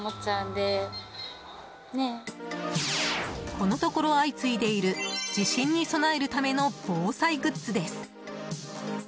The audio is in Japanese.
このところ相次いでいる地震に備えるための防災グッズです。